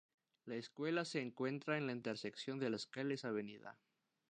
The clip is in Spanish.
La Escuela se encuentra en la intersección de las calles Av.